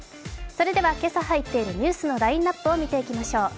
それでは今朝入っているニュースのラインナップにいきましょう。